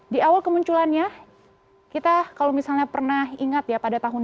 di awal kemunculannya kita kalau misalnya pernah ingat ya pada tahun dua ribu